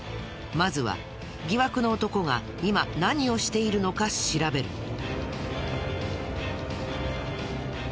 まずは疑惑の男が今何をしているのか調べる。